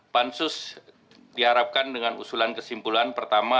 pansus diharapkan dengan usulan kesimpulan pertama